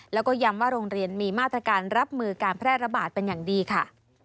แล้วก็ย้ำว่าโรงเรียนมีมาตรการรับมือการแพร่ระบาดเป็นอย่างดีค่ะ